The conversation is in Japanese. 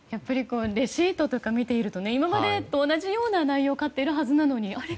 レシートとか見ていると今までと同じような内容を買っているはずなのにあれ？